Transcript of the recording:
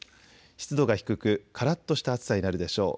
湿度が低く、からっとした暑さになるでしょう。